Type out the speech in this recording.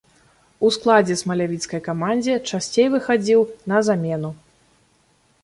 У складзе смалявіцкай камандзе часцей выхадзіў на замену.